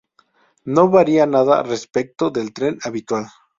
No varia nada respecto del Tren habitual.